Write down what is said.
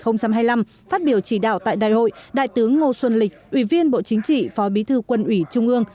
phát biểu chỉ đạo tại đại hội đại tướng ngô xuân lịch ủy viên bộ chính trị phó bí thư quân ủy trung ương